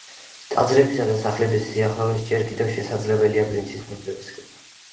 ტაძრებისა და სახლების სიახლოვეს ჯერ კიდევ შესაძლებელია ბრინჯის მინდვრების ხილვა.